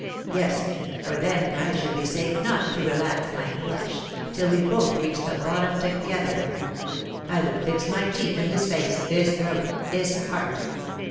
Yes, for then I should be safe not to relax my clutch, till we both reached the bottom together. I would fix my teeth in his face his throat his heart.